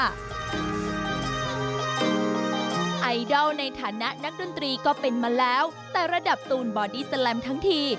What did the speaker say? ไอดอลในฐานะนักดนตรีก็เป็นมาแล้วแต่ระดับตูนบอดี้แลมทั้งที